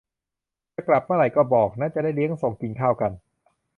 จะกลับเมื่อไหร่ก็บอกนะ จะได้เลี้ยงส่ง กินข้าวกัน